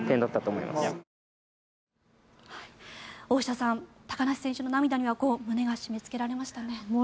大下さん高梨選手の涙には胸が締めつけられましたね。